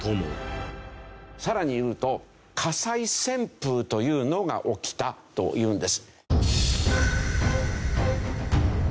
更にいうと火災旋風というのが起きたというんです。